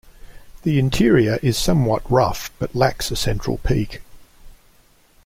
The interior is somewhat rough, but lacks a central peak.